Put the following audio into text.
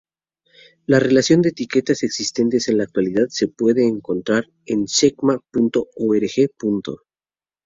La relación de etiquetas existentes en la actualidad se puede encontrar en Schema.org.